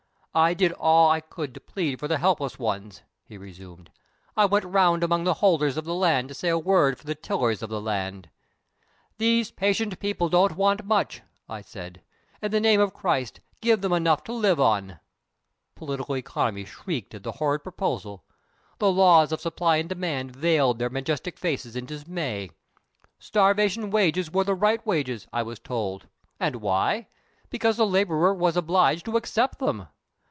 "I did all I could to plead for the helpless ones," he resumed. "I went round among the holders of the land to say a word for the tillers of the land. 'These patient people don't want much' (I said); 'in the name of Christ, give them enough to live on!' Political Economy shrieked at the horrid proposal; the Laws of Supply and Demand veiled their majestic faces in dismay. Starvation wages were the right wages, I was told. And why? Because the laborer was obliged to accept them!